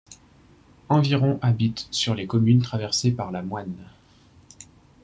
Environ habitent sur les communes traversées par la Moine.